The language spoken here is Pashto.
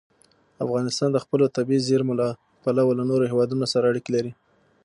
افغانستان د خپلو طبیعي زیرمو له پلوه له نورو هېوادونو سره اړیکې لري.